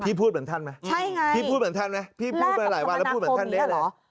พูดเหมือนท่านไหมใช่ไงพี่พูดเหมือนท่านไหมพี่พูดมาหลายวันแล้วพูดเหมือนท่านเด๊ะเลย